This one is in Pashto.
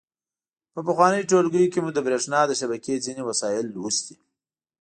په پخوانیو ټولګیو کې مو د برېښنا د شبکې ځینې وسایل لوستي.